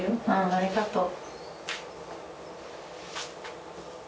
ありがとう。